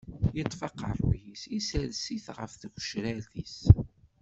Yeṭṭef aqeṛṛu-s, isers-it ɣef tgecrar-is.